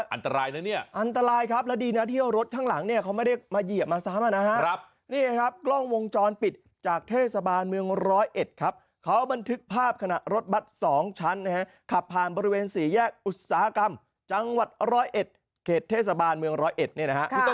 อันตรายนะเนี่ยอันตรายครับและดีนะเที่ยวรถทางหลังเนี่ยเขาไม่ได้มาเหยียบมาซ้ำนะครับนี่ครับกล้องวงจรปิดจากเทศบาลเมืองร้อยเอ็ดครับเขาบันทึกภาพขณะรถบัตร๒ชั้นขับผ่านบริเวณ๔แยกอุตสาหกรรมจังหวัดร้อยเอ็ดเขตเทศบาลเมืองร้อยเอ็ดครับเขาบันทึกภาพขณะรถบัตร๒ชั้นขับผ่านบริ